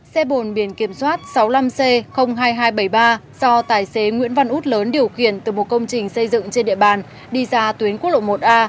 xe bồn biển kiểm soát sáu mươi năm c hai nghìn hai trăm bảy mươi ba do tài xế nguyễn văn út lớn điều khiển từ một công trình xây dựng trên địa bàn đi ra tuyến quốc lộ một a